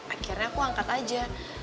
akhirnya aku angkat aja